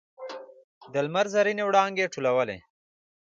د لمر زرینې وړانګې ټولولې.